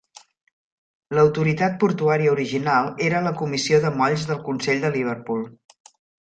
L'autoritat portuària original era la Comissió de molls del Consell de Liverpool.